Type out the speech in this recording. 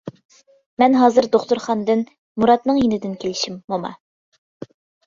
-مەن ھازىر دوختۇرخانىدىن، مۇراتنىڭ يېنىدىن كېلىشىم، موما.